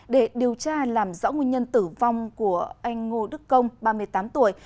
để điều tra làm rõ nguyên nhân tử vong của anh ngô đức công ba mươi tám tuổi